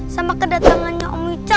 sama kedatangannya om wicca